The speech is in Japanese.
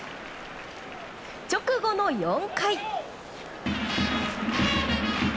直後の４回。